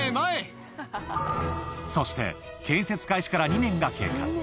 そして、建設開始から２年が経過。